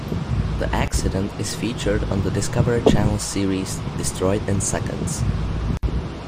The accident is featured on the Discovery Channel series "Destroyed in Seconds".